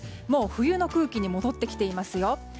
もう冬の空気に戻ってきていますよ。